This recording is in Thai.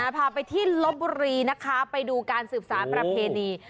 พาไปที่ลบบุรีนะคะไปดูการสืบสารประเพณี